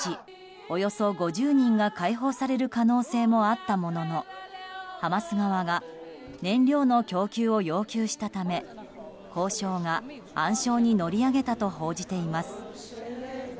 およそ５０人が解放される可能性もあったものの、ハマス側が燃料の供給を要求したため交渉が暗礁に乗り上げたと報じています。